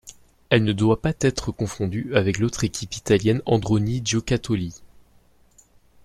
Elle ne doit pas être confondue avec l'autre équipe italienne Androni Giocattoli.